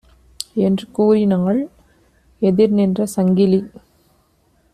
என்று கூறினாள் எதிர் நின்ற சங்கிலி.